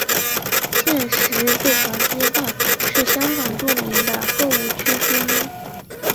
现时这条街道是香港著名的购物区之一。